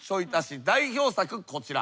代表作こちら。